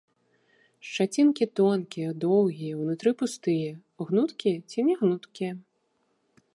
Шчацінкі тонкія, доўгія, унутры пустыя, гнуткія ці нягнуткія.